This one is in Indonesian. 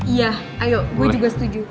iya ayo gue juga setuju